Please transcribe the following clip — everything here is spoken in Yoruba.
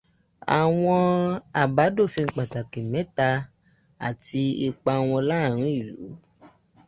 Àwọn àbádòfin pàtàkì mẹ́ta áti ipa wọn láàárín ìlú.